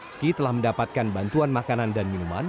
meski telah mendapatkan bantuan makanan dan minuman